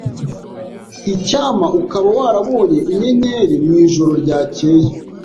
Icyampa ukaba warabonye inyenyeri mwijoro ryakeye.